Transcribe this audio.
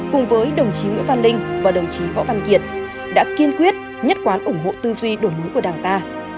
cùng với đồng chí nguyễn văn linh và đồng chí võ văn kiệt đã kiên quyết nhất quán ủng hộ tư duy đổi mới của đảng ta